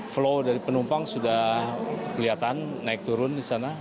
flow dari penumpang sudah kelihatan naik turun di sana